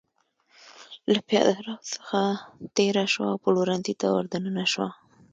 له پېاده رو څخه تېره شوه او پلورنځي ته ور دننه شوه.